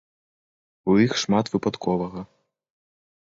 У іх шмат выпадковага.